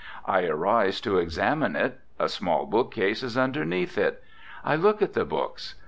I arise to examine it; a small bookcase is underneath it; I look at the books.